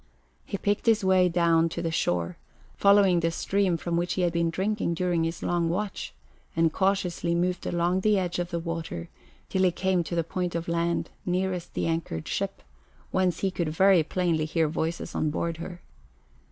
He picked his way down to the shore, following the stream from which he had been drinking during his long watch, and cautiously moved along the edge of the water till he came to the point of land nearest the anchored ship, whence he could very plainly hear voices on board her.